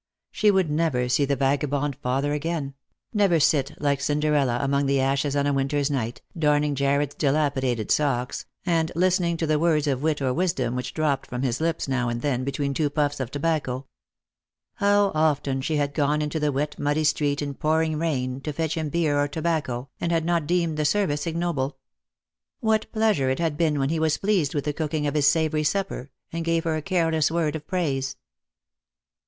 She would never see the vaga bond father again; never sit like Cinderella among the ashes on a winter's night, darning Jarred's dilapidated socks, and listening to the words of wit or wisdom which dropped from his lips now and then between two puffs of tobacco. How often she had gone into the wet muddy street, in pouring rain, to fetch him beer or tobacco, and had not deemed the service ignoble ! What pleasure it had been when he was pleased with the cooking of his savoury supper, and gave her a careless word of praise